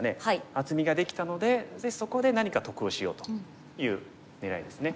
厚みができたのでそこで何か得をしようという狙いですね。